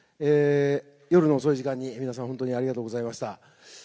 夜の遅い時間に皆さん、本当にありがとうございました。